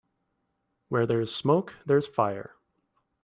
Where there's smoke there's fire.